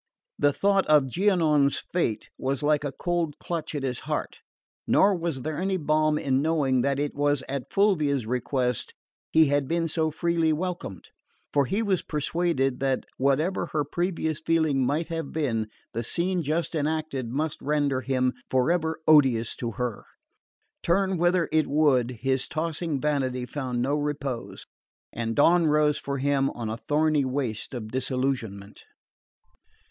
The thought of Giannone's fate was like a cold clutch at his heart; nor was there any balm in knowing that it was at Fulvia's request he had been so freely welcomed; for he was persuaded that, whatever her previous feeling might have been, the scene just enacted must render him forever odious to her. Turn whither it would, his tossing vanity found no repose; and dawn rose for him on a thorny waste of disillusionment.